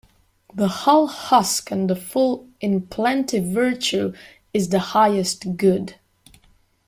The hull husk and the full in plenty Virtue is the highest good.